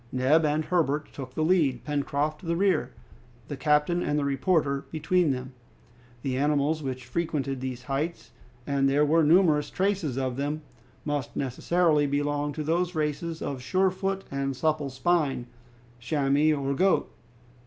Neb and Herbert took the lead, Pencroft the rear, the captain and the reporter between them. The animals which frequented these heights and there were numerous traces of them must necessarily belong to those races of sure foot and supple spine, chamois or goat.